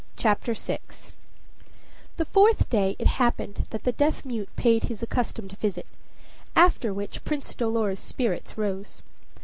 CHAPTER VI The fourth day it happened that the deaf mute paid his accustomed visit, after which Prince Dolor's spirits rose.